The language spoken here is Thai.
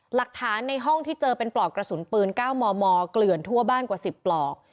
หลักฐานในห้องที่เจอเป็นปลอกกระสุนปืน๙มมเกลื่อนทั่วบ้านกว่า๑๐ปลอก